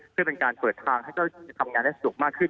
เพื่อเป็นการเปิดทางให้เจ้าที่ทำงานได้สูงมากขึ้น